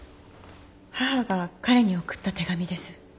母が彼に送った手紙です。